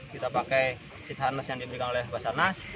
kita pakai seat harness yang diberikan oleh basarnas